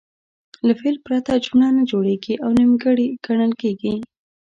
له فعل پرته جمله نه جوړیږي او نیمګړې ګڼل کیږي.